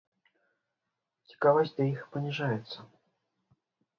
Цікавасць да іх паніжаецца.